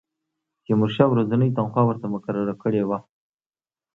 تیمورشاه ورځنۍ تنخوا ورته مقرره کړې وه.